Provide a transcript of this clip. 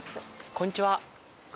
こんにちは。